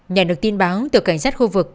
nhà nước tin báo từ cảnh sát khu vực